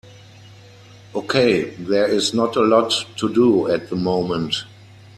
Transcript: Okay, there is not a lot to do at the moment.